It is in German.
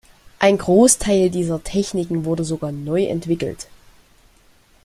Ein Großteil dieser Techniken wurde sogar neu entwickelt.